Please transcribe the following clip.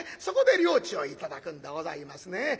そこで領地を頂くんでございますね。